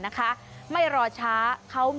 อีกนิดนึง